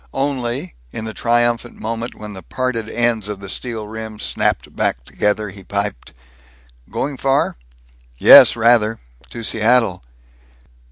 Only, in the triumphant moment when the parted ends of the steel rim snapped back together, he piped, "Going far?" "Yes, rather. To Seattle."